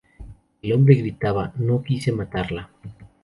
El hombre gritaba, "No quise matarla.